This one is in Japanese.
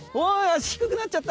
低くなっちゃった。